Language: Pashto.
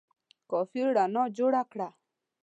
کافي رڼا جوړه کړه !